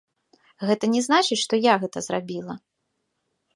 Гэта не значыць, што я гэта зрабіла.